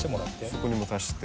そこにも足して。